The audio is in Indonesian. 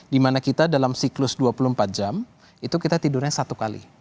dimana kita dalam siklus dua puluh empat jam itu kita tidurnya satu kali